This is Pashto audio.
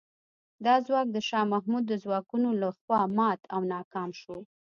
دا ځواک د شاه محمود د ځواکونو له خوا مات او ناکام شو.